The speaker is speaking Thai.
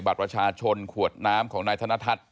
บัตรประชาชนขวดน้ำของนายธนทัศน์